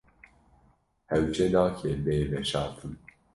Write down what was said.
Hewce nake bê veşartin.